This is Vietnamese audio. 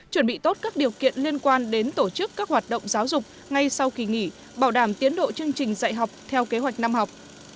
chuẩn bị tốt các điều kiện liên quan đến tổ chức các hoạt động giáo dục ngay sau kỳ nghỉ bảo đảm tiến độ chương trình dạy học theo kế hoạch năm học